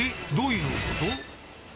どういうこと？